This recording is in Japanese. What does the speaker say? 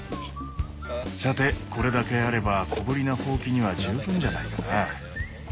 さてこれだけあれば小ぶりなホウキには十分じゃないかな。